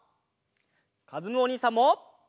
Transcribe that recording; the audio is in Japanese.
かずむおにいさんも！